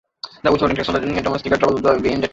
The withholding tax on domestic air travel will be ended.